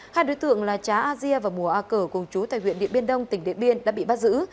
hai đối tượng là trá asia và mùa a cờ cùng chú tại huyện điện biên đông tỉnh điện biên đã bị bắt giữ